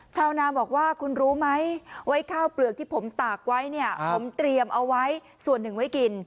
ชาวนาบอกว่าคุณรู้ไหมไว้ข้าวเปลือกที่ผมตากไว้เนี่ยผมเตรียมเอาไว้ส่วนหนึ่งไว้กิน